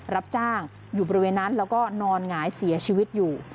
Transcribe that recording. รับจ้างอยู่บริเวณนั้นแล้วก็นอนหงายเสียชีวิตอยู่